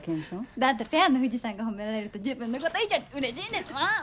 だってペアの藤さんが褒められると自分のこと以上にうれしいんですもん！